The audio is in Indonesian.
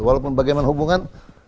walaupun bagaimana hubungan